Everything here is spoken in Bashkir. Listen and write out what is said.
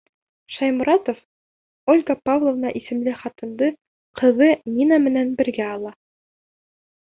Шайморатов Ольга Павловна исемле ҡатынды ҡыҙы Нина менән бергә ала.